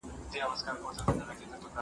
زه به سبا درسونه واورم